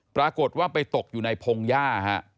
ปรากฏว่าไปตกอยู่ในพงหญ้าฮะ